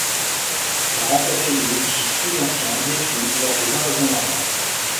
Elle a remplacé des édifices plus anciens détruits lors des invasions normandes.